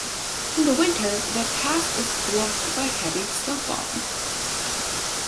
In the winter, the pass is blocked by heavy snowfall.